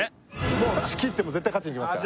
もう仕切って絶対勝ちにいきますから。